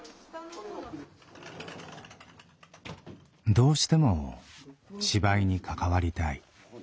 どうしても芝居に関わりたい。